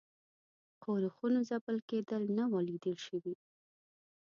ښورښونو ځپل کېدل نه وه لیده شوي.